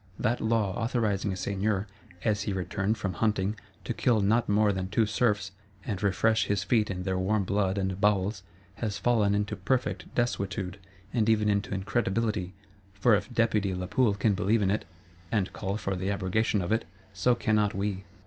That law authorizing a Seigneur, as he returned from hunting, to kill not more than two Serfs, and refresh his feet in their warm blood and bowels, has fallen into perfect desuetude,—and even into incredibility; for if Deputy Lapoule can believe in it, and call for the abrogation of it, so cannot we.